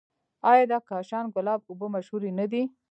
آیا د کاشان ګلاب اوبه مشهورې نه دي؟